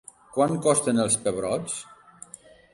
Quant costen els pebrots?